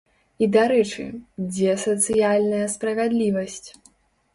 І, дарэчы, дзе сацыяльная справядлівасць?